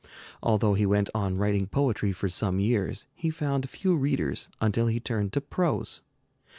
Although he went on writing poetry for some years, he found few readers until he turned to prose.